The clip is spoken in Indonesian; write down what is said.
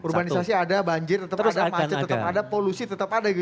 urbanisasi ada banjir tetap ada macet tetap ada polusi tetap ada gitu